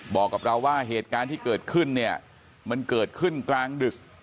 บอกกับเราว่าเหตุการณ์ที่เกิดขึ้นเนี่ยมันเกิดขึ้นกลางดึก